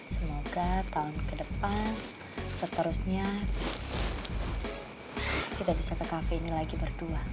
semoga tahun ke depan seterusnya kita bisa ke cafe ini lagi berdua